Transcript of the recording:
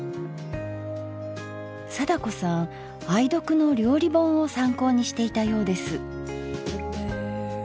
貞子さん愛読の料理本を参考にしていたようです。